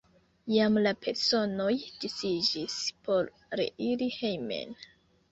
Jam la personoj disiĝis por reiri hejmen.